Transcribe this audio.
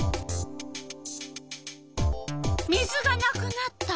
水がなくなった。